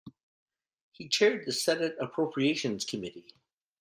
He chaired the Senate Appropriations Committee.